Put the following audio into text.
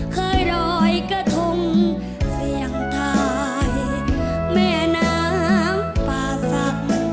ครั้งจะท้องปกติ